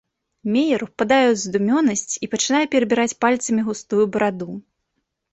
Меер упадае ў задумёнасць і пачынае перабіраць пальцамі густую бараду.